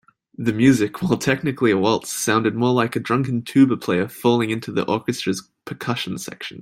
The music, while technically a waltz, sounded more like a drunken tuba player falling into the orchestra's percussion section.